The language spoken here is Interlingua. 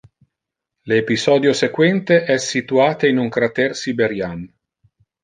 Le episodio sequente es situate in un crater siberian.